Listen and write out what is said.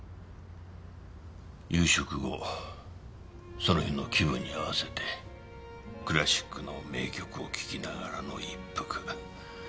夕食後その日の気分に合わせてクラシックの名曲を聴きながらの一服。